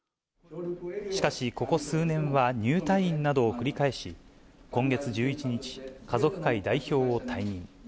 しかし、ここ数年は入退院などを繰り返し、今月１１日、家族会代表を退任。